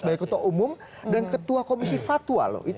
baik ketua umum dan ketua komisi fatwa loh